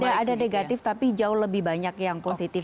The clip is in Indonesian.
tidak ada negatif tapi jauh lebih banyak yang positif